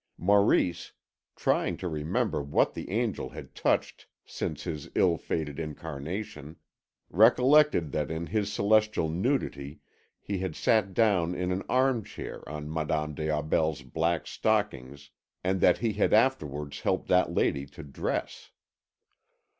Maurice, trying to remember what the angel had touched since his ill fated incarnation, recollected that in his celestial nudity he had sat down in an arm chair on Madame des Aubels' black stockings and that he had afterwards helped that lady to dress.